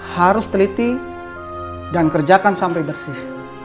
harus teliti dan kerjakan sampai bersih